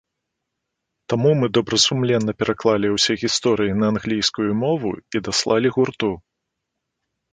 Таму мы добрасумленна пераклалі ўсе гісторыі на англійскую мову і даслалі гурту.